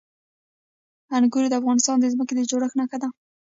انګور د افغانستان د ځمکې د جوړښت نښه ده.